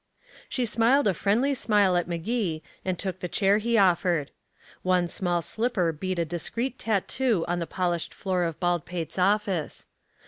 She smiled a friendly smile at Magee, and took the chair he offered. One small slipper beat a discreet tattoo on the polished floor of Baldpate's office.